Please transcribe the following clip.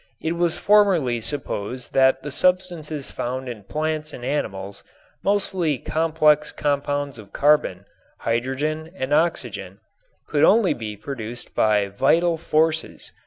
It was formerly supposed that the substances found in plants and animals, mostly complex compounds of carbon, hydrogen and oxygen, could only be produced by "vital forces."